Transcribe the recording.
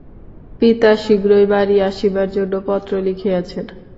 পিতা শীঘ্র বাড়ি আসিবার জন্য পত্র লিখিয়াছেন।